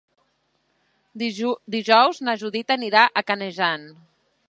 Dijous na Judit anirà a Canejan.